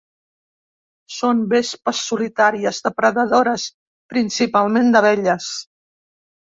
Són vespes solitàries depredadores principalment d'abelles.